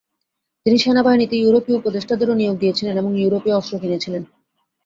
তিনি সেনাবাহিনীতে ইউরোপীয় উপদেষ্টাদেরও নিয়োগ দিয়েছিলেন এবং ইউরোপীয় অস্ত্র কিনেছিলেন।